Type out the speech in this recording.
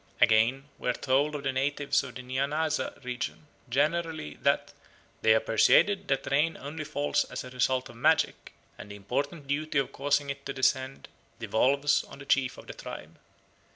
Again, we are told of the natives of the Nyanaza region generally that "they are persuaded that rain only falls as a result of magic, and the important duty of causing it to descend devolves on the chief of the tribe.